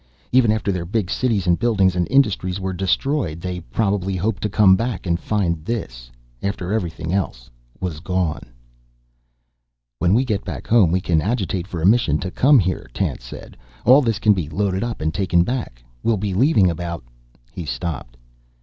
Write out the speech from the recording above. Even after their big cities and buildings and industries were destroyed they probably hoped to come back and find this. After everything else was gone." "When we get back home we can agitate for a mission to come here," Tance said. "All this can be loaded up and taken back. We'll be leaving about " He stopped.